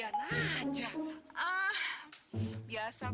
jangan paham ya otek